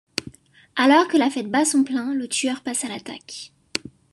Alors que la fête bat son plein, le tueur passe à l'attaque...